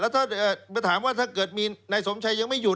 ถ้าถามว่าถ้าเกิดมีนายสมชัยยังไม่หยุ